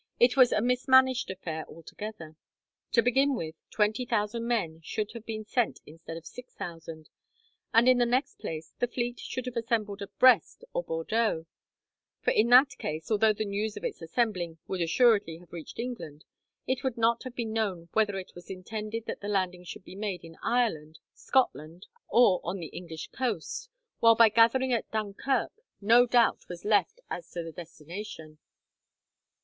"It was a mismanaged affair altogether. To begin with, twenty thousand men should have been sent instead of six thousand; and in the next place, the fleet should have assembled at Brest or Bordeaux, for in that case, although the news of its assembling would assuredly have reached England, it would not have been known whether it was intended that the landing should be made in Ireland, Scotland, or on the English coast, while by gathering at Dunkirk no doubt was left as to the destination.